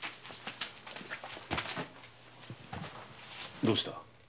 どうした？